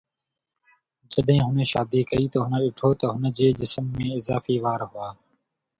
جڏهن هن شادي ڪئي ته هن ڏٺو ته هن جي جسم ۾ اضافي وار هئا